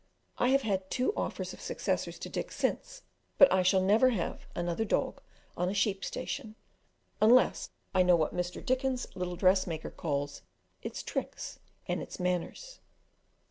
I have had two offers of successors to Dick since, but I shall never have another dog on a sheep station, unless I know what Mr. Dickens' little dressmaker calls "its tricks and its manners."